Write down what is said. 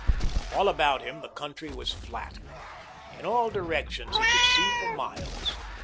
All about him the country was flat. In all directions he could see for miles.